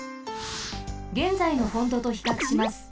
げんざいのフォントとひかくします。